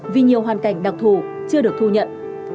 vì nhiều hoàn cảnh đặc thù chưa được thu nhận